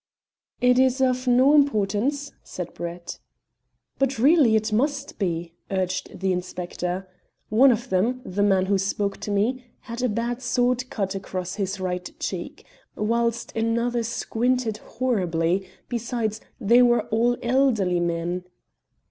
"It is of no importance," said Brett. "But really it must be," urged the inspector. "One of them, the man who spoke to me, had a bad sword cut across his right cheek, whilst another squinted horribly; besides, they were all elderly men."